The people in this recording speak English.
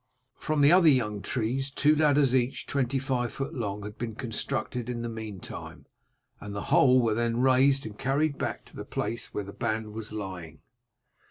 From the other young trees two ladders, each twenty five feet long, had been constructed in the meantime, and the whole were then raised and carried back to the place where the band was lying.